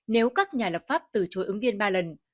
nếu các nhà lập pháp từ chối ứng viên ba lần